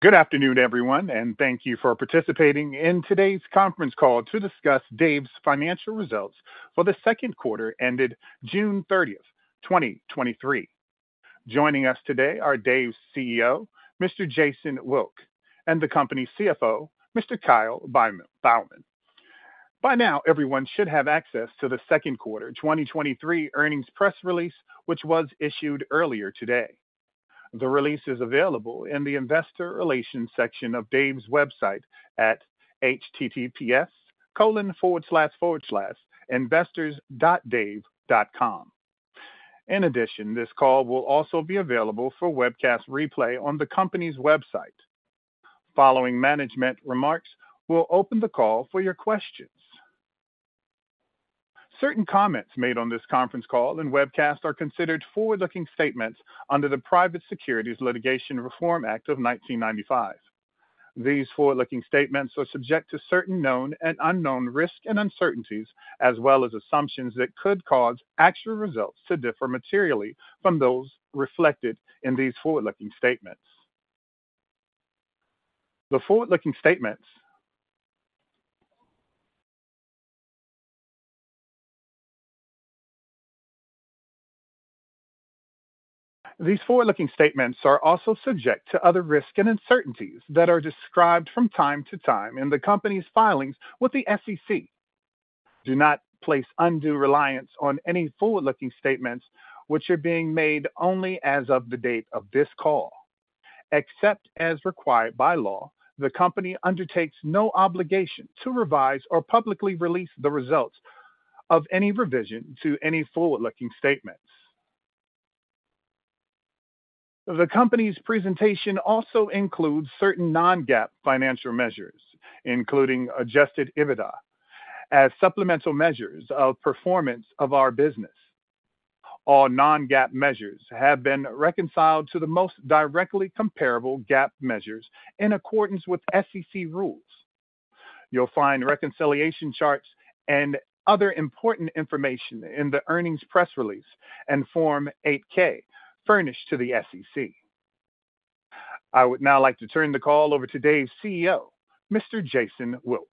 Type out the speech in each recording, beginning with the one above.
Good afternoon, everyone, and thank you for participating in today's conference call to discuss Dave's financial results for the second quarter ended June 30, 2023. Joining us today are Dave's CEO, Mr. Jason Wilk, and the company's CFO, Mr. Kyle Beilman. By now, everyone should have access to the second quarter 2023 earnings press release, which was issued earlier today. The release is available in the investor relations section of Dave's website at https://investors.dave.com. In addition, this call will also be available for webcast replay on the company's website. Following management remarks, we'll open the call for your questions. Certain comments made on this conference call and webcast are considered forward-looking statements under the Private Securities Litigation Reform Act of 1995. These forward-looking statements are subject to certain known and unknown risks and uncertainties, as well as assumptions that could cause actual results to differ materially from those reflected in these forward-looking statements. These forward-looking statements are also subject to other risks and uncertainties that are described from time to time in the company's filings with the SEC. Do not place undue reliance on any forward-looking statements, which are being made only as of the date of this call. Except as required by law, the company undertakes no obligation to revise or publicly release the results of any revision to any forward-looking statements. The company's presentation also includes certain non-GAAP financial measures, including Adjusted EBITDA, as supplemental measures of performance of our business. All non-GAAP measures have been reconciled to the most directly comparable GAAP measures in accordance with SEC rules. You'll find reconciliation charts and other important information in the earnings press release and Form 8-K, furnished to the SEC. I would now like to turn the call over to Dave's CEO, Mr. Jason Wilk.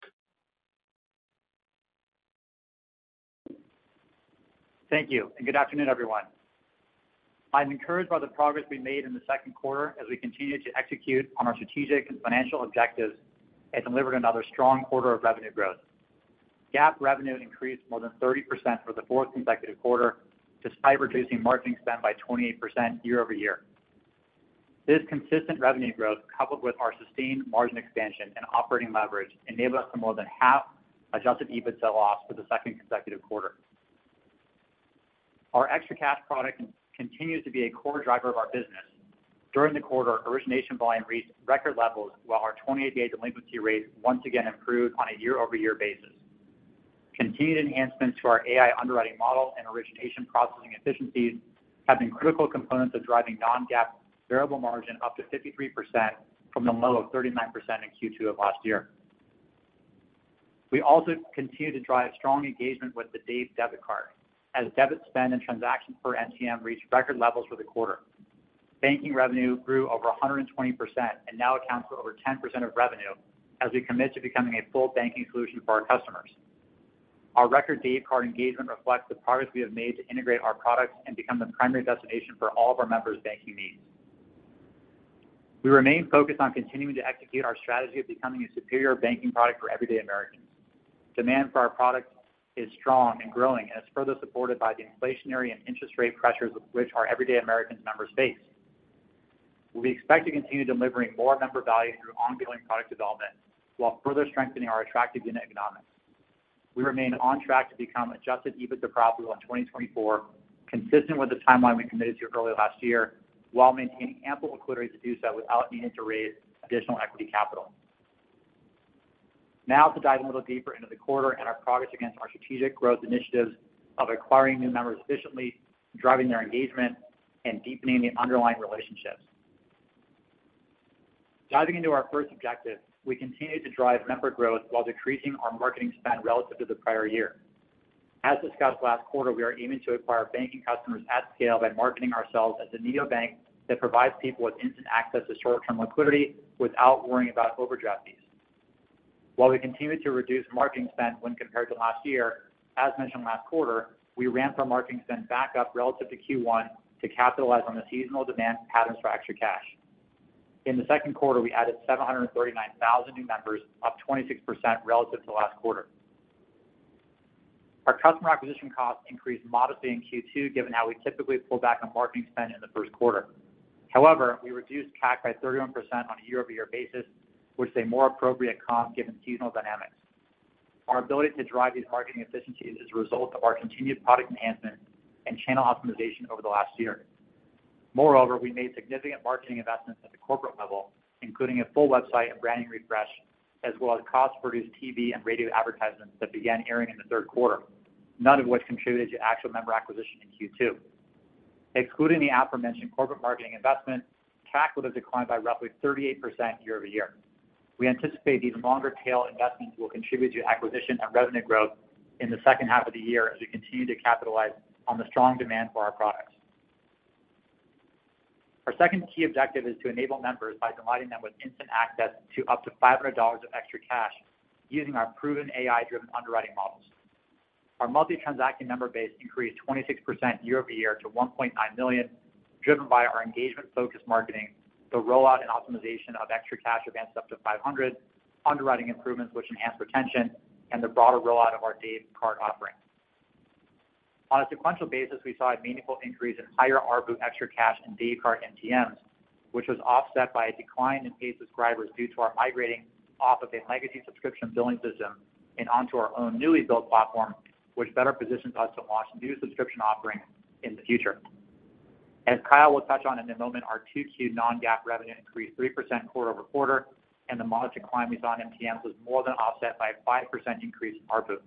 Thank you, good afternoon, everyone. I'm encouraged by the progress we made in the 2nd quarter as we continued to execute on our strategic and financial objectives and delivered another strong quarter of revenue growth. GAAP revenue increased more than 30% for the 4th consecutive quarter, despite reducing marketing spend by 28% year-over-year. This consistent revenue growth, coupled with our sustained margin expansion and operating leverage, enabled us to more than half Adjusted EBITDA loss for the 2nd consecutive quarter. Our ExtraCash product continues to be a core driver of our business. During the quarter, origination volume reached record levels, while our 28-day delinquency rate once again improved on a year-over-year basis. Continued enhancements to our AI underwriting model and origination processing efficiencies have been critical components of driving non-GAAP variable margin up to 53% from the low of 39% in Q2 of last year. We also continued to drive strong engagement with the Dave Debit Card, as debit spend and transactions per NCM reached record levels for the quarter. Banking revenue grew over 120% and now accounts for over 10% of revenue, as we commit to becoming a full banking solution for our customers. Our record Dave Card engagement reflects the progress we have made to integrate our products and become the primary destination for all of our members' banking needs. We remain focused on continuing to execute our strategy of becoming a superior banking product for everyday Americans. Demand for our product is strong and growing, and it's further supported by the inflationary and interest rate pressures which our everyday Americans members face. We expect to continue delivering more member value through ongoing product development, while further strengthening our attractive unit economics. We remain on track to become Adjusted EBITDA profitable in 2024, consistent with the timeline we committed to early last year, while maintaining ample liquidity to do so without needing to raise additional equity capital. To dive a little deeper into the quarter and our progress against our strategic growth initiatives of acquiring new members efficiently, driving their engagement, and deepening the underlying relationships. Diving into our first objective, we continued to drive member growth while decreasing our marketing spend relative to the prior year. As discussed last quarter, we are aiming to acquire banking customers at scale by marketing ourselves as a neobank that provides people with instant access to short-term liquidity without worrying about overdraft fees. While we continued to reduce marketing spend when compared to last year, as mentioned last quarter, we ramped our marketing spend back up relative to Q1 to capitalize on the seasonal demand patterns for ExtraCash. In the second quarter, we added 739,000 new members, up 26% relative to last quarter. Our customer acquisition costs increased modestly in Q2, given how we typically pull back on marketing spend in the first quarter. We reduced CAC by 31% on a year-over-year basis, which is a more appropriate cost given seasonal dynamics. Our ability to drive these marketing efficiencies is a result of our continued product enhancement and channel optimization over the last year. Moreover, we made significant marketing investments at the corporate level, including a full website and branding refresh, as well as cost-produced TV and radio advertisements that began airing in the third quarter, none of which contributed to actual member acquisition in Q2. Excluding the aforementioned corporate marketing investment, CAC would have declined by roughly 38% year-over-year. We anticipate these longer-tail investments will contribute to acquisition and revenue growth in the second half of the year as we continue to capitalize on the strong demand for our products. Our second key objective is to enable members by providing them with instant access to up to $500 of ExtraCash, using our proven AI-driven underwriting models. Our Monthly Transacting Member base increased 26% year-over-year to 1.9 million, driven by our engagement-focused marketing, the rollout and optimization of ExtraCash advances up to $500, underwriting improvements which enhance retention, and the broader rollout of our Dave Card offering. On a sequential basis, we saw a meaningful increase in higher ARPU ExtraCash and Dave Card MTMs, which was offset by a decline in paid subscribers due to our migrating off of a legacy subscription billing system and onto our own newly built platform, which better positions us to launch new subscription offerings in the future. As Kyle will touch on in a moment, our 2Q non-GAAP revenue increased 3% quarter-over-quarter, and the moderate decline we saw in MTMs was more than offset by a 5% increase in ARPU.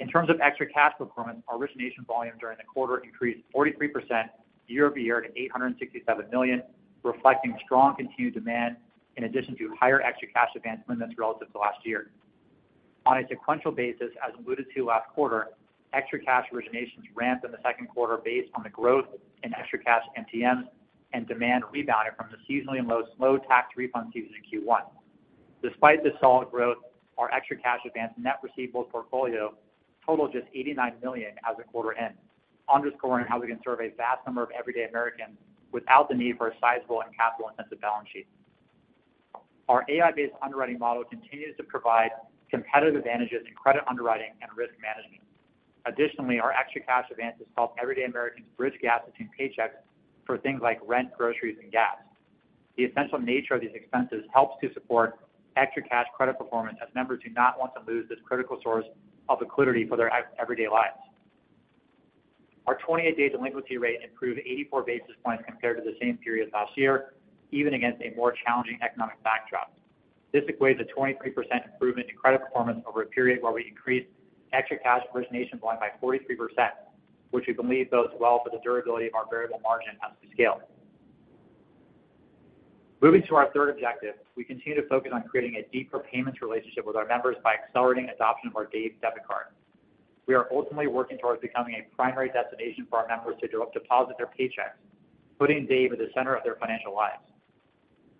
In terms of ExtraCash performance, our origination volume during the quarter increased 43% year-over-year to $867 million, reflecting strong continued demand in addition to higher ExtraCash advance limits relative to last year. On a sequential basis, as alluded to last quarter, ExtraCash originations ramped in the second quarter based on the growth in ExtraCash MTMs and demand rebounded from the seasonally low, slow tax refund season in Q1. Despite this solid growth, our ExtraCash advance net receivables portfolio totaled just $89 million as the quarter end, underscoring how we can serve a vast number of everyday Americans without the need for a sizable and capital-intensive balance sheet. Our AI-based underwriting model continues to provide competitive advantages in credit underwriting and risk management. Additionally, our ExtraCash advances help everyday Americans bridge gaps between paychecks for things like rent, groceries, and gas. The essential nature of these expenses helps to support ExtraCash credit performance, as members do not want to lose this critical source of liquidity for their everyday lives. Our 28-day delinquency rate improved 84 basis points compared to the same period last year, even against a more challenging economic backdrop. This equates a 23% improvement in credit performance over a period where we increased ExtraCash origination volume by 43%, which we believe bodes well for the durability of our variable margin as we scale. Moving to our third objective, we continue to focus on creating a deeper payments relationship with our members by accelerating adoption of our Dave Debit Card. We are ultimately working towards becoming a primary destination for our members to deposit their paychecks, putting Dave at the center of their financial lives.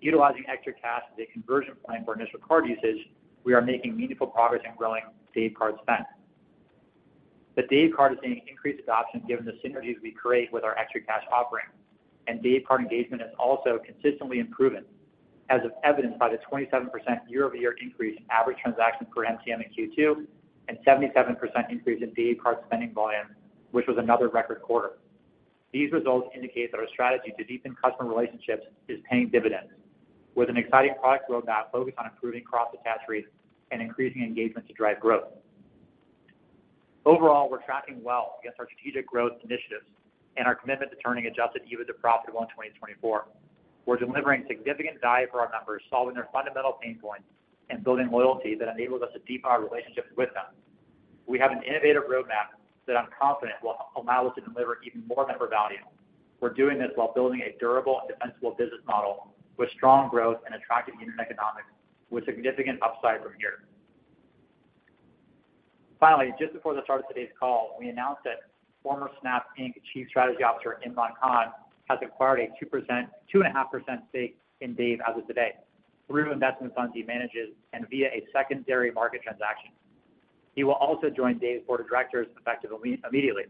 Utilizing ExtraCash as a conversion plan for initial card usage, we are making meaningful progress in growing Dave Card Spend. The Dave Card is seeing increased adoption given the synergies we create with our ExtraCash offering, and Dave Card engagement is also consistently improving, as evidenced by the 27% year-over-year increase in average transactions per MTM in Q2, and 77% increase in Dave Card spending volume, which was another record quarter. These results indicate that our strategy to deepen customer relationships is paying dividends, with an exciting product roadmap focused on improving cross attach rates and increasing engagement to drive growth. Overall, we're tracking well against our strategic growth initiatives and our commitment to turning Adjusted EBITDA profitable in 2024. We're delivering significant value for our members, solving their fundamental pain points, and building loyalty that enables us to deepen our relationships with them. We have an innovative roadmap that I'm confident will help allow us to deliver even more member value. We're doing this while building a durable and defensible business model with strong growth and attractive unit economics, with significant upside from here. Just before the start of today's call, we announced that former Snap Inc. Chief Strategy Officer, Imran Khan, has acquired a 2.5% stake in Dave as of today, through investment funds he manages and via a secondary market transaction. He will also join Dave's board of directors, effective immediately.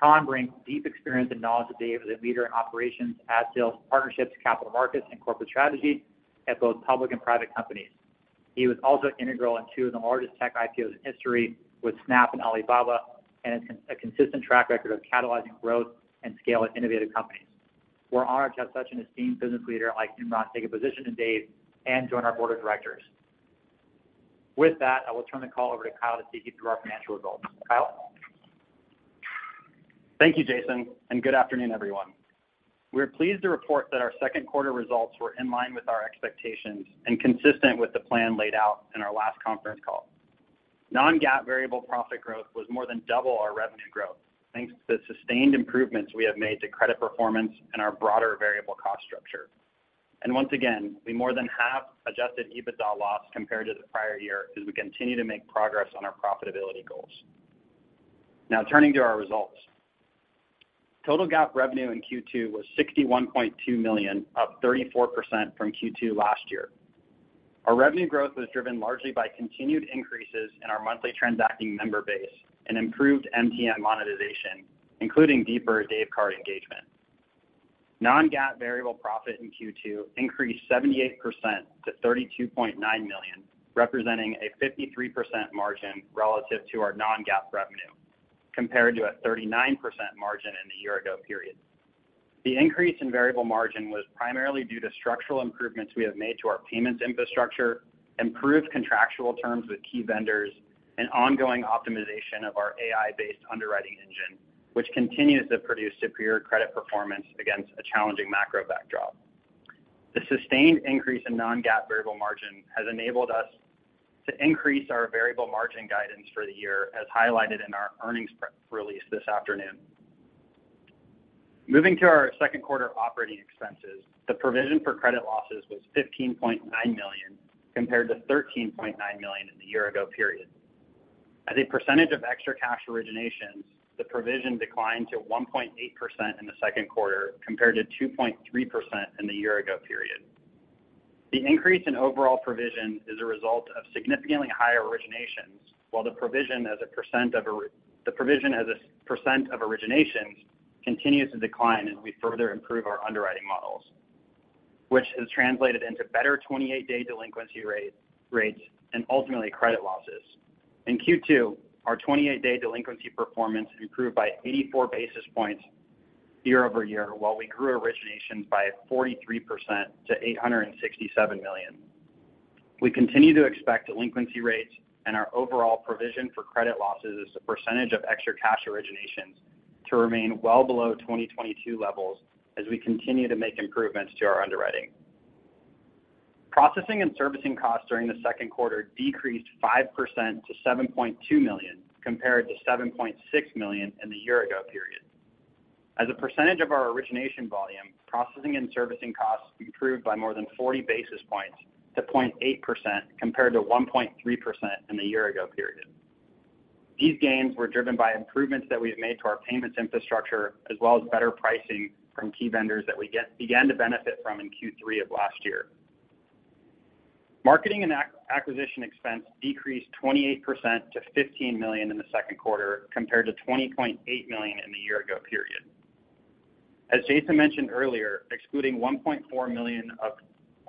Khan brings deep experience and knowledge to Dave as a leader in operations, ad sales, partnerships, capital markets, and corporate strategy at both public and private companies. He was also integral in two of the largest tech IPOs in history with Snap Inc. and Alibaba, and has a consistent track record of catalyzing growth and scale at innovative companies. We're honored to have such an esteemed business leader like Imran Khan take a position in Dave and join our board of directors. With that, I will turn the call over to Kyle to take you through our financial results. Kyle? Thank you, Jason. Good afternoon, everyone. We're pleased to report that our second quarter results were in line with our expectations and consistent with the plan laid out in our last conference call. Non-GAAP variable profit growth was more than double our revenue growth, thanks to the sustained improvements we have made to credit performance and our broader variable cost structure. Once again, we more than halved Adjusted EBITDA loss compared to the prior year as we continue to make progress on our profitability goals. Now, turning to our results. Total GAAP revenue in Q2 was $61.2 million, up 34% from Q2 last year. Our revenue growth was driven largely by continued increases in our monthly transacting member base and improved MTM monetization, including deeper Dave Card engagement. Non-GAAP variable profit in Q2 increased 78% to $32.9 million, representing a 53% margin relative to our non-GAAP revenue, compared to a 39% margin in the year ago period. The increase in variable margin was primarily due to structural improvements we have made to our payments infrastructure, improved contractual terms with key vendors, and ongoing optimization of our AI-based underwriting engine, which continues to produce superior credit performance against a challenging macro backdrop. The sustained increase in non-GAAP variable margin has enabled us to increase our variable margin guidance for the year, as highlighted in our earnings press release this afternoon. Moving to our second quarter operating expenses. The provision for credit losses was $15.9 million, compared to $13.9 million in the year ago period. As a percentage of ExtraCash originations, the provision declined to 1.8% in the second quarter, compared to 2.3% in the year-ago period. The increase in overall provision is a result of significantly higher originations, while the provision as a % of originations continues to decline as we further improve our underwriting models, which has translated into better 28-day delinquency rate, rates, and ultimately, credit losses. In Q2, our 28-day delinquency performance improved by 84 basis points year-over-year, while we grew originations by 43% to $867 million. We continue to expect delinquency rates and our overall provision for credit losses as a % of ExtraCash originations to remain well below 2022 levels as we continue to make improvements to our underwriting. Processing and servicing costs during the second quarter decreased 5% to $7.2 million, compared to $7.6 million in the year-ago period. As a percentage of our origination volume, processing and servicing costs improved by more than 40 basis points to 0.8%, compared to 1.3% in the year-ago period. These gains were driven by improvements that we've made to our payments infrastructure, as well as better pricing from key vendors that we began to benefit from in Q3 of last year. Marketing and acquisition expense decreased 28% to $15 million in the second quarter, compared to $20.8 million in the year-ago period. Jason mentioned earlier, excluding $1.4 million of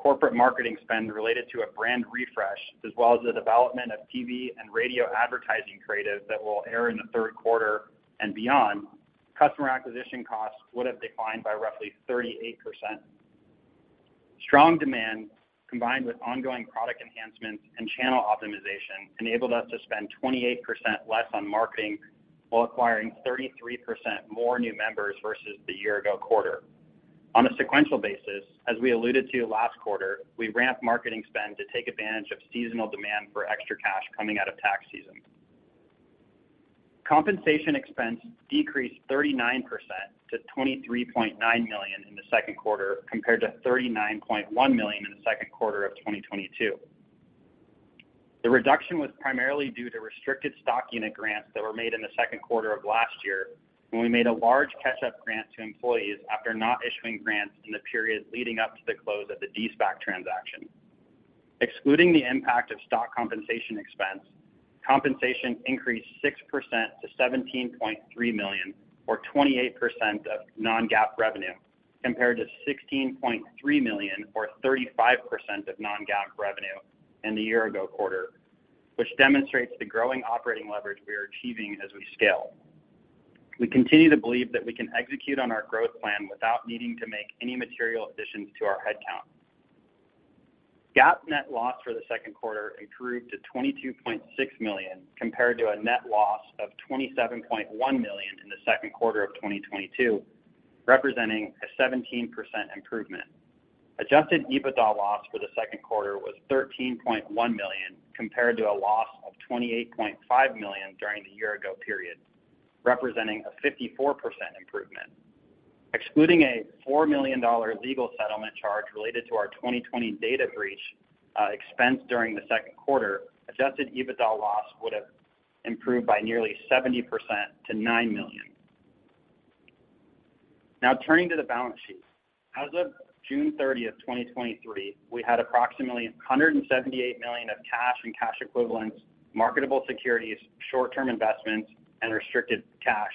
corporate marketing spend related to a brand refresh, as well as the development of TV and radio advertising creative that will air in the third quarter and beyond, customer acquisition costs would have declined by roughly 38%. Strong demand, combined with ongoing product enhancements and channel optimization, enabled us to spend 28% less on marketing, while acquiring 33% more new members versus the year ago quarter. On a sequential basis, as we alluded to last quarter, we ramped marketing spend to take advantage of seasonal demand for ExtraCash coming out of tax season. Compensation expense decreased 39% to $23.9 million in the second quarter, compared to $39.1 million in the second quarter of 2022. The reduction was primarily due to restricted stock unit grants that were made in the second quarter of last year, when we made a large catch-up grant to employees after not issuing grants in the period leading up to the close of the de-SPAC transaction. Excluding the impact of stock compensation expense, compensation increased 6% to $17.3 million, or 28% of non-GAAP revenue, compared to $16.3 million, or 35% of non-GAAP revenue in the year ago quarter, which demonstrates the growing operating leverage we are achieving as we scale. We continue to believe that we can execute on our growth plan without needing to make any material additions to our headcount. GAAP net loss for the second quarter improved to $22.6 million, compared to a net loss of $27.1 million in the second quarter of 2022, representing a 17% improvement. Adjusted EBITDA loss for the second quarter was $13.1 million, compared to a loss of $28.5 million during the year ago period, representing a 54% improvement. Excluding a $4 million legal settlement charge related to our 2020 data breach expense during the second quarter, Adjusted EBITDA loss would have improved by nearly 70% to $9 million. Turning to the balance sheet. As of June 30, 2023, we had approximately $178 million of cash and cash equivalents, marketable securities, short-term investments, and restricted cash,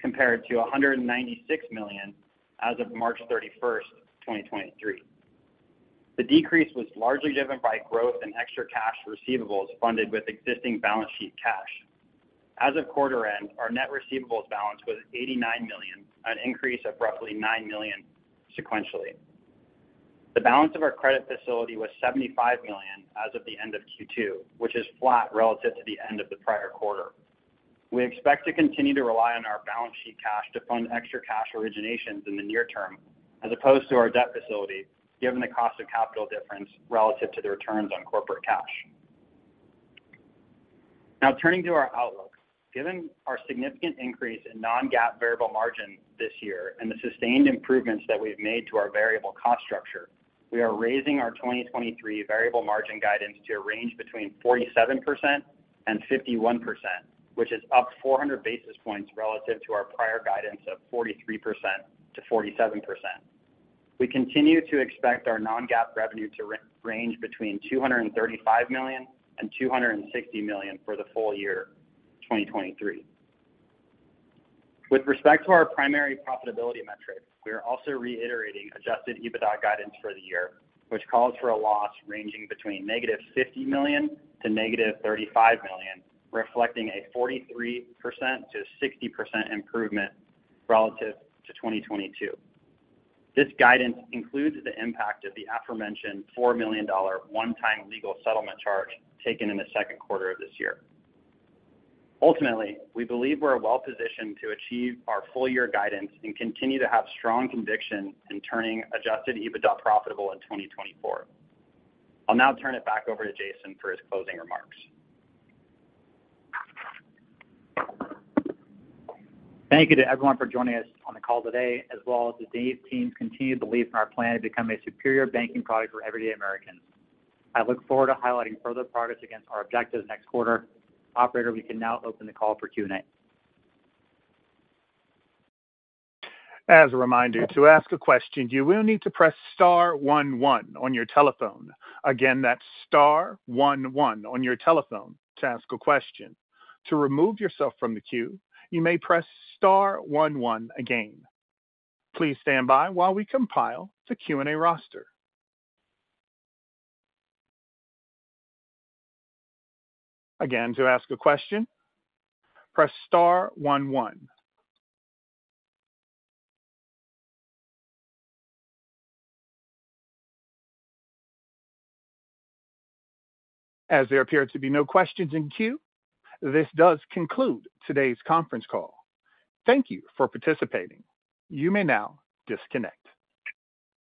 compared to $196 million as of March 31, 2023. The decrease was largely driven by growth in ExtraCash receivables funded with existing balance sheet cash. As of quarter end, our net receivables balance was $89 million, an increase of roughly $9 million sequentially. The balance of our credit facility was $75 million as of the end of Q2, which is flat relative to the end of the prior quarter. We expect to continue to rely on our balance sheet cash to fund ExtraCash originations in the near term, as opposed to our debt facility, given the cost of capital difference relative to the returns on corporate cash. Now, turning to our outlook. Given our significant increase in non-GAAP variable margin this year and the sustained improvements that we've made to our variable cost structure, we are raising our 2023 variable margin guidance to a range between 47%-51%, which is up 400 basis points relative to our prior guidance of 43%-47%. We continue to expect our non-GAAP revenue to range between $235 million-$260 million for the full year 2023. With respect to our primary profitability metrics, we are also reiterating Adjusted EBITDA guidance for the year, which calls for a loss ranging between -$50 million to -$35 million, reflecting a 43%-60% improvement relative to 2022. This guidance includes the impact of the aforementioned $4 million one-time legal settlement charge taken in the second quarter of this year. Ultimately, we believe we're well positioned to achieve our full year guidance and continue to have strong conviction in turning Adjusted EBITDA profitable in 2024. I'll now turn it back over to Jason for his closing remarks. Thank you to everyone for joining us on the call today, as well as the Dave team's continued belief in our plan to become a superior banking product for everyday Americans. I look forward to highlighting further progress against our objectives next quarter. Operator, we can now open the call for Q&A. As a reminder, to ask a question, you will need to press star one one on your telephone. Again, that's star one one on your telephone to ask a question. To remove yourself from the queue, you may press star one one again. Please stand by while we compile the Q&A roster. Again, to ask a question, press star one one. As there appear to be no questions in queue, this does conclude today's conference call. Thank you for participating. You may now disconnect.